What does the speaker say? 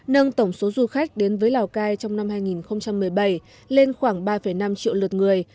nâng tổng số du khách đến với lào cai trong năm hai nghìn một mươi bảy lên khoảng ba năm triệu lượt người